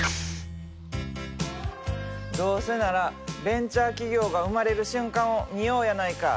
どうせならベンチャー企業が生まれる瞬間を見ようやないか。